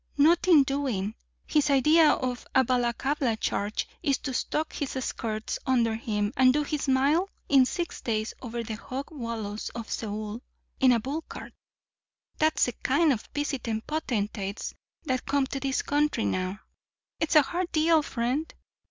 Nothing doing! His idea of a Balaklava charge is to tuck his skirts under him and do his mile in six days over the hog wallows of Seoul in a bull cart. That's the kind of visiting potentates that come to this country now. It's a hard deal, friend."